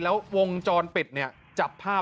แล้ววงจรปิดเนี่ยจับภาพ